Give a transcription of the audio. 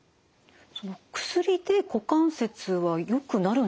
薬で股関節はよくなるんですか？